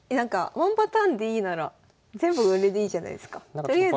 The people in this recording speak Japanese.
ワンパターンでいいなら全部これでいいじゃないですか。